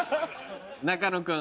中野君。